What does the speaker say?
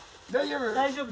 大丈夫。